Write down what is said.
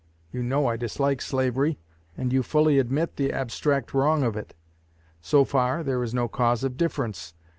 You know I dislike slavery, and you fully admit the abstract wrong of it. So far, there is no cause of difference.